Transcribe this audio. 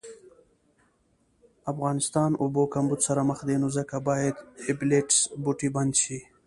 افغانستان اوبو کمبود سره مخ دي نو ځکه باید ابلیټس بوټی بند شي